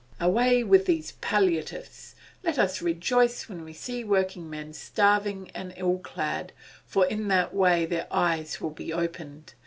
Away with these palliatives; let us rejoice when we see working men starving and ill clad, for in that way their eyes will be opened.